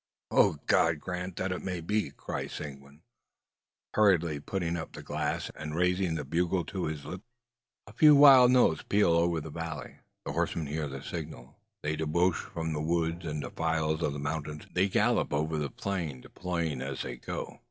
"Oh, God! grant that it may be!" cries Seguin, hurriedly putting up the glass, and raising the bugle to his lips. A few wild notes peal over the valley. The horsemen hear the signal. They debouche from the woods and the defiles of the mountains. They gallop over the plain, deploying as they go.